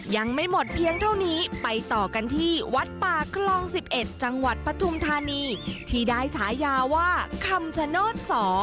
ยังไม่หมดเพียงเท่านี้ไปต่อกันที่วัดป่าคลอง๑๑จังหวัดปฐุมธานีที่ได้ฉายาว่าคำชโนธ๒